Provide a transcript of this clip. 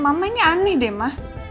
mama ini aneh deh ma